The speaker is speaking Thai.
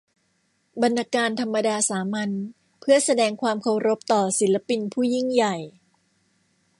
บรรณาการธรรมดาสามัญเพื่อแสดงความเคารพต่อศิลปินผู้ยิ่งใหญ่